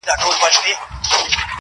ماته اوس هم راځي حال د چا د ياد.